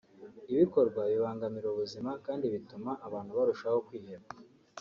ibikorwa bibangamira ubuzima kandi bituma abantu barushaho kwiheba